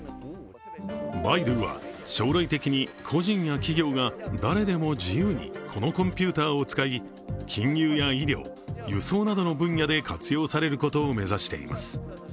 バイドゥは将来的に個人や企業が誰でも自由にこのコンピューターを使い金融や医療、輸送などの分野で活用されることを目指しています。